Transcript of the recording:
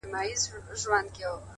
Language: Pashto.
o د زورور اوبه په پېچومي خېژي.